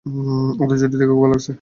ওদের জুটি দেখে খুব ভাল লাগছে।